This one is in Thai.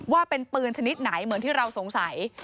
ว่าเป็นปืนชนิดไหนเหมือนที่เราสงสัย